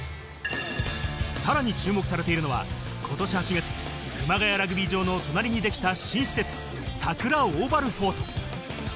さらに注目されているのは今年８月熊谷ラグビー場の隣にできた新施設さくらオーバルフォート。